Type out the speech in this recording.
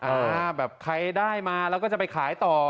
อ่าแบบใครได้มาแล้วก็จะไปขายต่อ